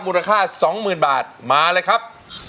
มูลค่าสองหมื่นบาทมาเลยครับ